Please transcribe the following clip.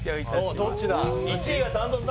どっちだ？